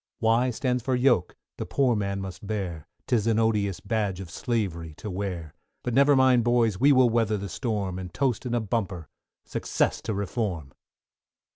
=Y= stands for Yoke, the poor man must bear, 'Tis an odious badge of slavery to wear; But never mind, boys! we will weather the storm, And toast in a bumper, success to Reform!